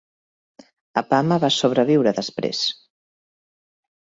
Apama va sobreviure després.